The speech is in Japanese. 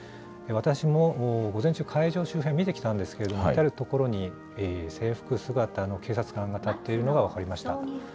私も午前中、会場周辺を見てきたんですけれども、至る所に制服姿の警察官が立っているのが分かりました。